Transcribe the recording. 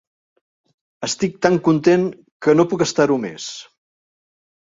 Estic tant content que no puc estar-ho més.